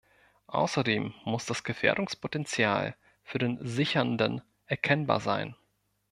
Außerdem muss das Gefährdungspotential für den Sichernden erkennbar sein.